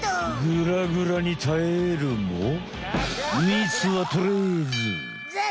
グラグラにたえるもみつは取れず。